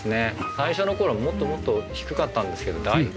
最初の頃はもっともっと低かったんですけどだいぶ。